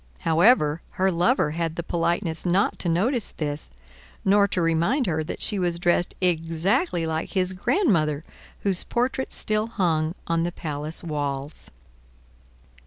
However, her lover had the politeness not to notice this, nor to remind her that she was dressed exactly like his grandmother whose portrait still hung on the palace walls.